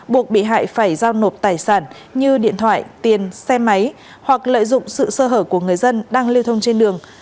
buộc bị hại phải giao nộp tài sản như điện thoại tiền xe máy hoặc lợi dụng sự sơ hở của người dân đang lưu thông trên đường